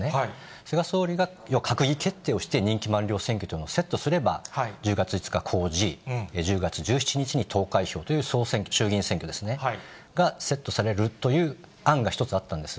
菅総理が要は閣議決定をして、任期満了選挙とのセットすれば、１０月５日公示、１０月１７日に投開票という総選挙、衆議院選挙ですね、が、セットされるという案が１つあったんです。